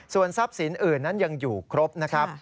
ส่วนทรัพย์สินอื่นนั้นยังอยู่ครบนะครับ